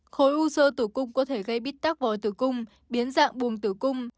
khối u sơ tử cung có thể gây bít tác vòi tử cung biến dạng buồng tử cung